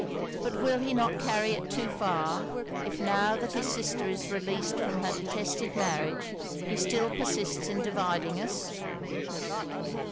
But will he not carry it too far, if now that his sister is released from her detested marriage he still persists in dividing us?'